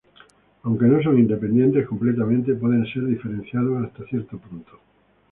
Aunque no son independientes completamente, pueden ser diferenciados hasta cierto punto.